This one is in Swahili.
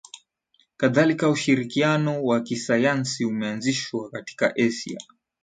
Kadhalika ushirikiano wa kisayansi umeanzishwa katika Asia